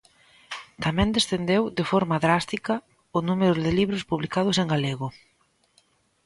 Tamén descendeu, de forma drástica, o número de libros publicados en galego.